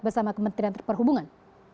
bersama kementerian perhubungan